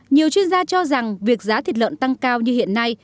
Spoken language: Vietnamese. nhiều chuyên gia cho rằng việc giá thịt lợn tăng cao như hiện nay